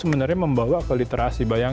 anda lagi ya